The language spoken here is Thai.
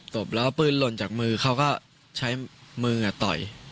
บแล้วเอาปืนหล่นจากมือเขาก็ใช้มือต่อย